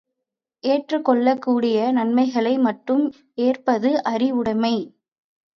ஏற்றுக் கொள்ளக் கூடிய நன்மைகளை மட்டும் ஏற்பது அறிவுடைமை.